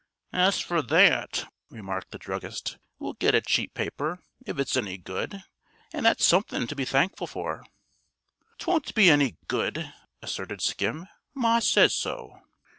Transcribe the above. "As fer that," remarked the druggist, "we'll get a cheap paper if it's any good an' that's somethin' to be thankful for." "'Twon't be any good," asserted Skim. "Ma says so."